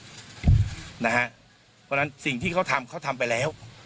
เพราะฉะนั้นสิ่งที่เขาทำเขาทำไปแล้ว